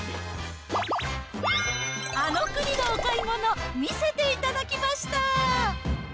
あの国のお買い物見せていただきました！